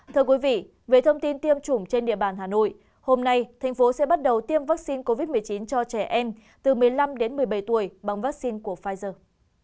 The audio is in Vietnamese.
thưa quý vị về thông tin tiêm chủng trên địa bàn hà nội hôm nay thành phố sẽ bắt đầu tiêm vaccine covid một mươi chín cho trẻ em từ một mươi năm đến một mươi bảy tuổi bằng vaccine của pfizer